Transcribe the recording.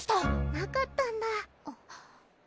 なかったんだ？